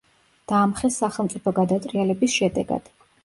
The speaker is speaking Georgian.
დაამხეს სახელმწიფო გადატრიალების შედეგად.